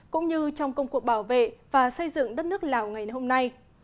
cũng như trong công cuộc bảo vệ và xây dựng đất nước lào ngày hôm nay